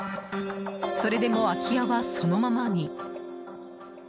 それでも空き家はそのままに。